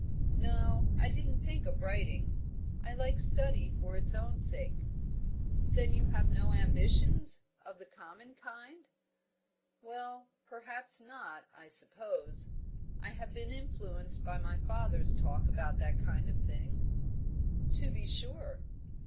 "No; I didn't think of writing. I like study for its own sake." "Then you have no ambitions, of the common kind?" "Well, perhaps not. I suppose I have been influenced by my father's talk about that kind of thing." "To be sure."